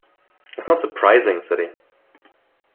"It is not surprising," said he.